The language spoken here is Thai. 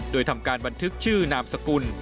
โดยทำการบันทึกชื่อนามสกุล